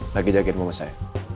lagi jagain mau ngesay